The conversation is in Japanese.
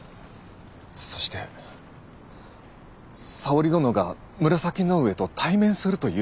そして沙織殿が紫の上と対面するというのだ。